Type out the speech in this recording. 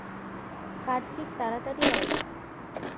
কার্তিক তাড়াতাড়ি আয়!